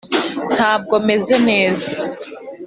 ntabwo meze neza.